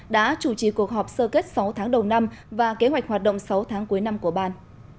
đã chủ trì cuộc họp sơ kết sáu tháng đầu năm và kế hoạch hoạt động sáu tháng cuối năm của ban